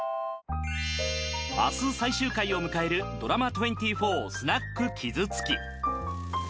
明日最終回を迎えるドラマ２４『スナックキズツキ』。